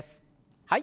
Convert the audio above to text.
はい。